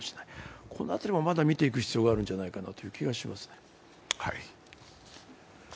この辺りもまだ見ていく必要があるんじゃないかという気がしますね。